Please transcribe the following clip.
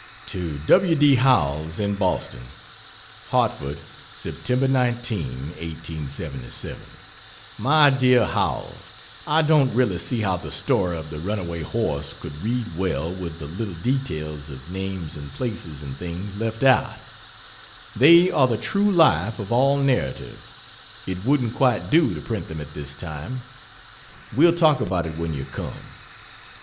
To W. D. Howells, in Boston: HARTFORD, Sept. 19, 1877. MY DEAR HOWELLS, I don't really see how the story of the runaway horse could read well with the little details of names and places and things left out. They are the true life of all narrative. It wouldn't quite do to print them at this time. We'll talk about it when you come.